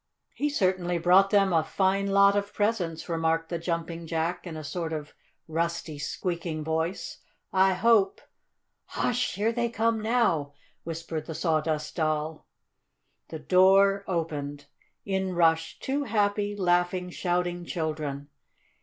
"He certainly brought them a fine lot of presents," remarked the Jumping Jack, in a sort of rusty, squeaking voice. "I hope " "Hush! Here they come, now!" whispered the Sawdust Doll. The door opened. In rushed two happy, laughing, shouting children.